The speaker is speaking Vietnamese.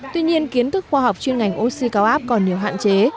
tuy nhiên kiến thức khoa học chuyên ngành oxy cao áp còn nhiều hạn chế